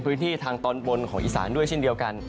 พื้นที่ทางตอนบนของอีสานด้วยเช่นเดียวกัน